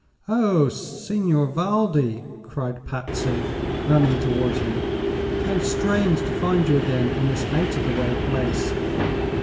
"Oh, Signor Valdi!" cried Patsy, running toward him, "how strange to find you again in this out of the way place."